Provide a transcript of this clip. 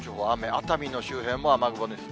熱海の周辺も雨雲です。